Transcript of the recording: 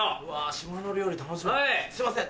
島の料理楽しみすいません。